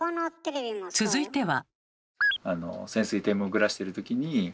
続いては。